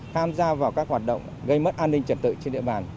tham gia vào các hoạt động gây mất an ninh trật tự trên địa bàn